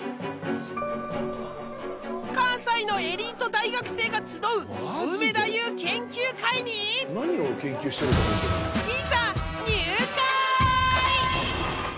［関西のエリート大学生が集うコウメ太夫研究会にいざ入会！］